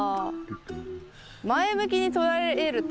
前向きに捉えると。